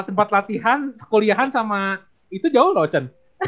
tempat latihan sekuliahan sama itu jauh loh chen